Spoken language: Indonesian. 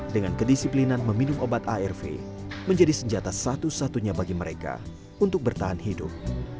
dengan kedisiplinan meminum obat arv menjadi senjata satu satunya bagi mereka untuk bertahan hidup